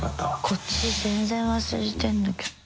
こっち全然忘れてるんだけど。